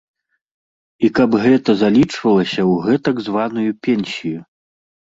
І каб гэта залічвалася ў гэтак званую пенсію.